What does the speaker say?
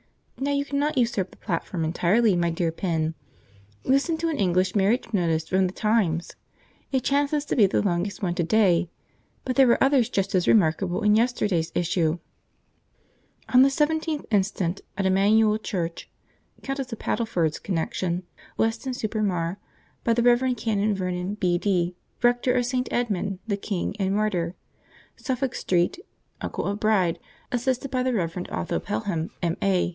"Now you cannot usurp the platform entirely, my dear Pen. Listen to an English marriage notice from the Times. It chances to be the longest one to day, but there were others just as remarkable in yesterday's issue. "'On the 17th instant, at Emmanuel Church (Countess of Padelford's connection), Weston super Mare, by the Rev. Canon Vernon, B.D., Rector of St. Edmund the King and Martyr, Suffolk Street, uncle of bride, assisted by the Rev. Otho Pelham, M.A.